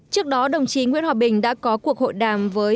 trước đó đồng chí nguyễn hòa bình đã có cuộc hội đàm với ông chip